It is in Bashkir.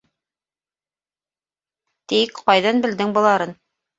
Тик ҡайҙан белдең быларын?..